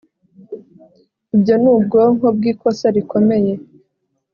ibyo ni ubwoko bwikosa rikomeye